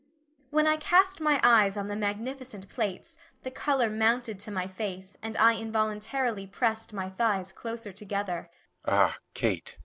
When I cast my eyes on the magnificent plates, the color mounted to my face, and I involuntarily pressed my thighs closely together.